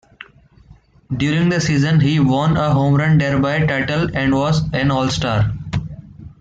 During the season, he won a Home Run Derby Title and was an All-Star.